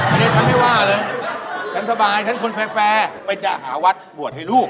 อันนี้ฉันไม่ว่าเลยฉันสบายฉันคนแฟร์ไปจะหาวัดบวชให้ลูก